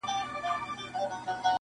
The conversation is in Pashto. دغو تورمخو له تیارو سره خپلوي کړې ده-